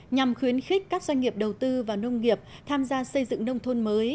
nhằm khuyến khích các doanh nghiệp đầu tư vào nông nghiệp tham gia xây dựng nông thôn mới